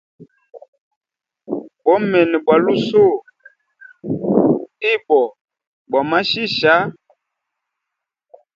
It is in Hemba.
Bomene bwa lusuhu ibo bwa machicha.